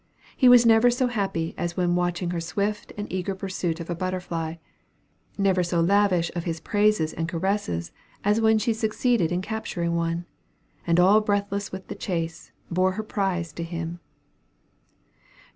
He was never so happy as when watching her swift and eager pursuit of a butterfly; never so lavish of his praises and caresses as when she succeeded in capturing one, and all breathless with the chase, bore her prize to him.